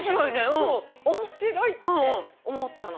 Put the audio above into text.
そう面白いって思ったの。